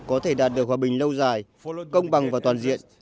có thể đạt được hòa bình lâu dài công bằng và toàn diện